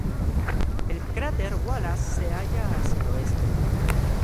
El cráter Wallace se haya hacia el oeste.